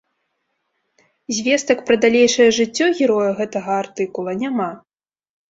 Звестак пра далейшае жыццё героя гэтага артыкула няма.